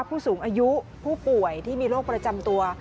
ผู้สูงอายุผู้ป่วยที่มีโรคประจำตัว